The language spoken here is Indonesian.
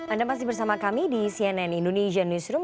anda masih bersama kami di cnn indonesia newsroom